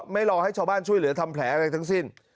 ไม่รอให้ชาวบ้านช่วยเหลือทำแผลอะไรทั้งสิ้น